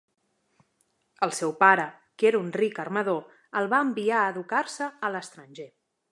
El seu pare, que era un ric armador, el va enviar a educar-se a l'estranger.